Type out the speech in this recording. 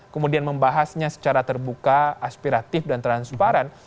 kemudian membahasnya secara terbuka aspiratif dan transparan